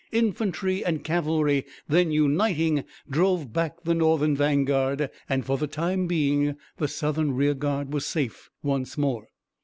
Infantry and cavalry then uniting, drove back the Northern vanguard, and, for the time being, the Southern rear guard was safe once more.